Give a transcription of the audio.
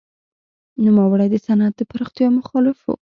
نوموړی د صنعت د پراختیا مخالف و.